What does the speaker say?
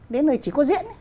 đến nơi chỉ có diễn